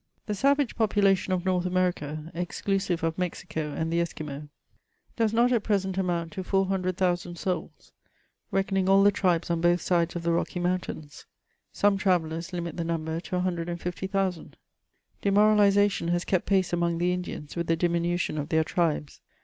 The savage population of North America, exclusive of Mexioo and the Esquimaux, does not at present amount to 400,000 souls, reckoning all the tribes on both sides of the Rocky Mountains; some travellers limit the number to 150,000. Demoralisation has kept pace among the Indians with the diminution of their tribes.